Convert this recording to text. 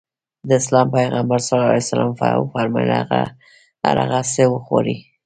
د اسلام پيغمبر ص وفرمايل هر هغه څه وخورې.